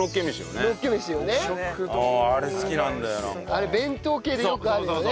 あれ弁当系でよくあるよね。